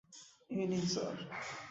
এই নিন স্যার।